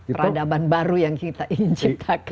peradaban baru yang kita ingin ciptakan